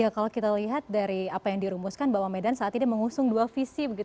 kalau kita lihat dari apa yang dirumuskan bahwa medan saat ini mengusung dua visi